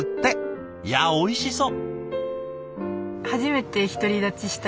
いやおいしそう。